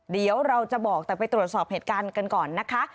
เดี๋ยวเราจะบอกแต่ไปตรวจสอบเหตุการณ์กันก่อนนะคะ